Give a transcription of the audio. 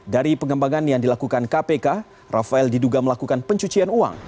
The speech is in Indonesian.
dari pengembangan yang dilakukan kpk rafael diduga melakukan pencucian uang